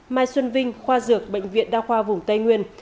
mai xuân vinh khoa dược bệnh viện đa khoa vùng tây nguyên